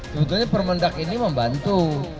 sebetulnya permendak ini membantu